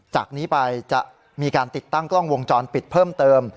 จากนี้ไปจะมีการติดตั้งกล้องวงจรปิดเพิ่มเติม